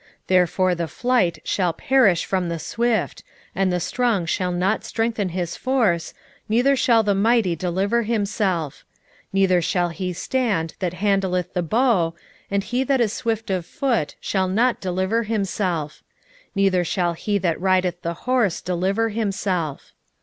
2:14 Therefore the flight shall perish from the swift, and the strong shall not strengthen his force, neither shall the mighty deliver himself: 2:15 Neither shall he stand that handleth the bow; and he that is swift of foot shall not deliver himself: neither shall he that rideth the horse deliver himself.